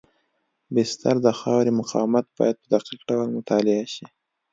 د بستر د خاورې مقاومت باید په دقیق ډول مطالعه شي